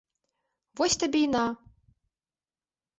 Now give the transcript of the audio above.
Вось табе і на!